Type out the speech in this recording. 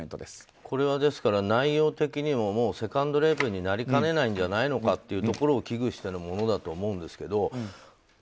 これは内容的にもセカンドレイプになりかねないんじゃないかということを危惧してのものだと思うんですけど。